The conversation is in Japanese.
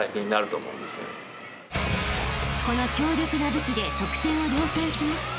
［この強力な武器で得点を量産します］